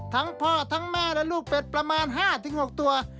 ทั้งพ่อทั้งแม่และลูกเป็ดประมาณ๕๖ตัว